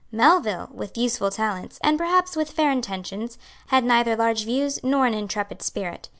Melville, with useful talents, and perhaps with fair intentions, had neither large views nor an intrepid spirit.